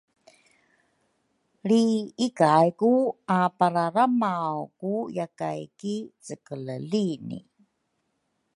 Lri ikay ku apararamaw ku yakay ki cekele lini